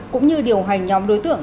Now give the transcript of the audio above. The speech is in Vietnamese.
cũng như điều hành nhóm đối tượng